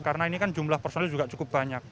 karena ini kan jumlah personel juga cukup banyak